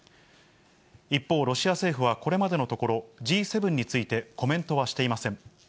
一方、ロシア政府はこれまでのところ、Ｇ７についてコメントはしていません。